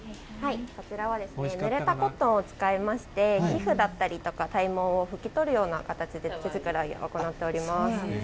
こちらはですね、ぬれたコットンを使いまして、皮膚だったりとか、体毛を拭き取るような形で毛づくろいを行っております。